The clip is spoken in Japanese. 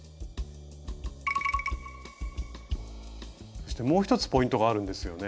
そしてもう一つポイントがあるんですよね？